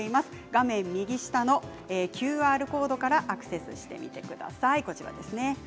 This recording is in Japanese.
画面右下のＱＲコードからアクセスしてみてください。